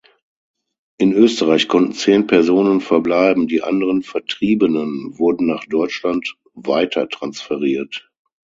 In Österreich konnten zehn Personen verbleiben, die anderen Vertriebenen wurden nach Deutschland weiter transferiert.